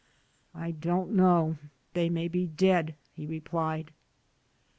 "I don't know, they may be dead," he replied.